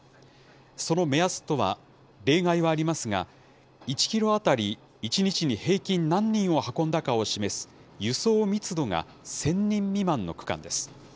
その目安とは、例外はありますが、１キロ当たり１日に平均何人を運んだかを示す輸送密度が１０００人未満の区間です。